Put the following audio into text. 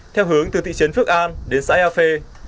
theo hướng từ thị trấn phước an đến xã ea phê